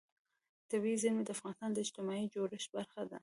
طبیعي زیرمې د افغانستان د اجتماعي جوړښت برخه ده.